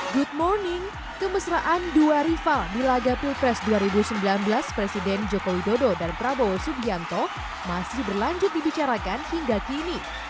good morning kemesraan dua rival di laga pilpres dua ribu sembilan belas presiden joko widodo dan prabowo subianto masih berlanjut dibicarakan hingga kini